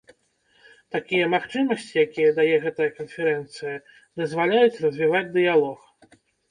Такія магчымасці, якія дае гэтая канферэнцыя, дазваляюць развіваць дыялог.